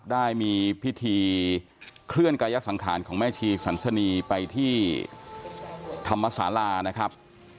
ได้มีพิธีเคลื่อนกายสังขารของแม่ชีสันสนีไปที่ธรรมศาลานะครับ